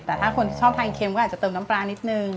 แต่ถ้าคนชอบทานเค็มก็อาจจะเติมน้ำปลานิดนึง